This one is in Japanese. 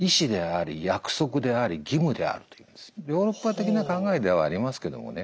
ヨーロッパ的な考えではありますけどもね